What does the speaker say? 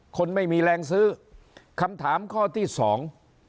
คนไม่มีแรงซื้อคำถามข้อที่สอง